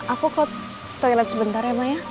aku kok toilet sebentar ya maya